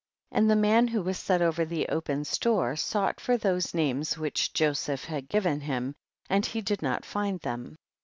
14. And the man who was set over the open store sought for those names which Joseph had given him, and he did not find them.